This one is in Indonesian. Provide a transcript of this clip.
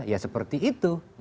ya seperti itu